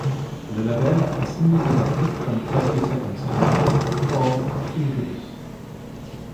Le label a signé des artistes comme Thirty Seconds to Mars, Korn, Incubus.